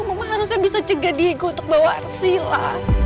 mama harusnya bisa cegah diriku untuk bawa sila